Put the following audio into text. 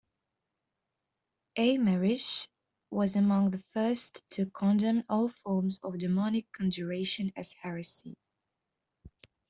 Eymerich was among the first to condemn all forms of demonic conjuration as heresy.